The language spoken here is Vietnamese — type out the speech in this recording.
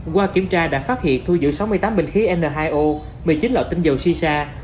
qua kiểm tra đã phát hiện thu dự sáu mươi tám bình khí n hai o một mươi chín loại tinh dầu si sa